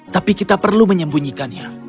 tapi kita perlu menyembunyikannya